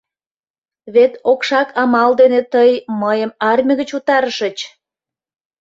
Вет окшак амал дене тый мыйым армий гыч утарышыч.